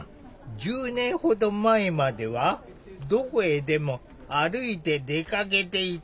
１０年ほど前まではどこへでも歩いて出かけていた。